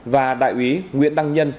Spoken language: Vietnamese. và đại úy nguyễn đăng nhân